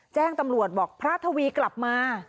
แจ้งตำรวจบอกพระทวีกลับมา